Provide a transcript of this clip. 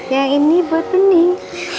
yang ini buat bening